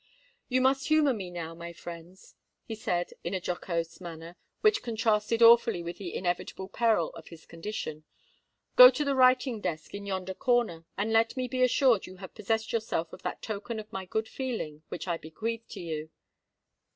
"You must humour me now, my friends," he said, in a jocose manner, which contrasted awfully with the inevitable peril of his condition: "go to the writing desk in yonder corner, and let me be assured you have possessed yourselves of that token of my good feeling which I bequeathe to you."